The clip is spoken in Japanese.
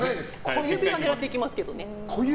小指は狙っていきますけどね。